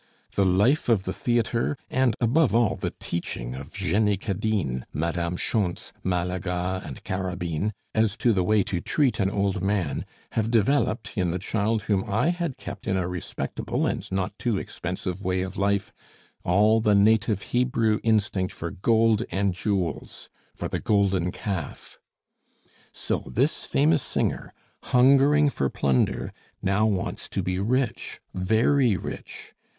The life of the theatre, and, above all, the teaching of Jenny Cadine, Madame Schontz, Malaga, and Carabine, as to the way to treat an old man, have developed, in the child whom I had kept in a respectable and not too expensive way of life, all the native Hebrew instinct for gold and jewels for the golden calf. "So this famous singer, hungering for plunder, now wants to be rich, very rich.